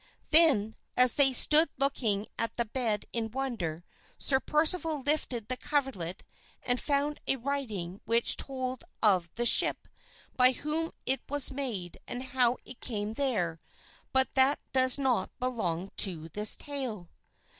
Then, as they stood looking at the bed in wonder, Sir Percival lifted the coverlet and found a writing which told of the ship, by whom it was made and how it came there, but that does not belong to this tale.